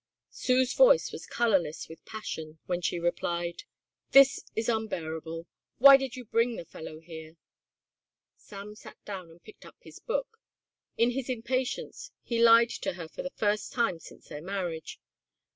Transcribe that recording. Sue's voice was colourless with passion when she replied. "This is unbearable. Why did you bring the fellow here?" Sam sat down and picked up his book. In his impatience he lied to her for the first time since their marriage.